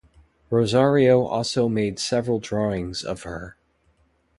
Rosario also made several drawings of her.